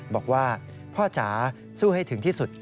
บอกว่าพ่อจ๋าสู้ให้ถึงที่สุด